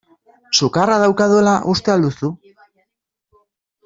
Sukarra daukadala uste al duzu?